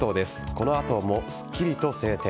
この後もすっきりと晴天。